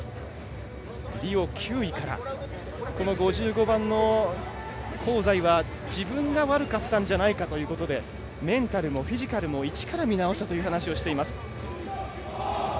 リオ９位からこの５５番の香西は自分が悪かったんじゃないかということでメンタルもフィジカルも一から見直したという話をしています。